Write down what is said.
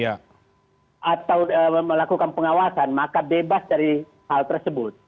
atau melakukan pengawasan maka bebas dari hal tersebut